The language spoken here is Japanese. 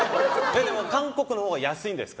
韓国のほうが安いんです。